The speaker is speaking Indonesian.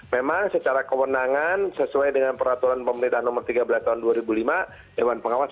memang secara kewenangan sesuai dengan peraturan pemerintahan nomor tiga belas tahun dua ribu lima dewan pengawas